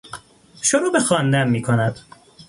شروع به خواندن می کند